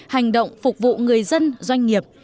hành động phục vụ người dân doanh nghiệp